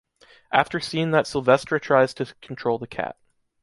After seen that Silvestre tries to control the cat.